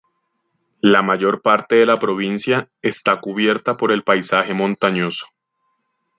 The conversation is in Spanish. La mayor parte de la provincia está cubierta por el paisaje montañoso.